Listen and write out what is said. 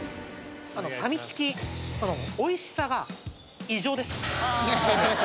ファミチキ美味しさが異常です